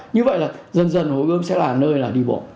như vậy là dần dần hồ gươm sẽ là nơi là đi bộ